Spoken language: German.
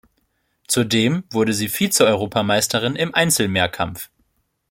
Zudem wurde sie Vizeeuropameisterin im Einzelmehrkampf.